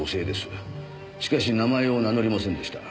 しかし名前を名乗りませんでした。